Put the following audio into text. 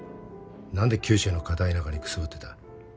何で九州の片田舎にくすぶってた？